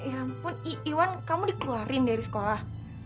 ya ampun iwan kamu dikeluarin dari sekolah